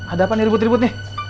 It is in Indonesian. ada apa nih ribut ribut nih